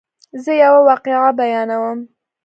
زه یوه واقعه بیانوم.